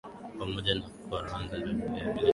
pamoja na Korani ziliunda kile kinachoitwa Sunnah